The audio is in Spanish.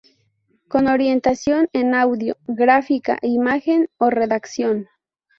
Con orientación en Audio, Gráfica, Imagen o Redacción.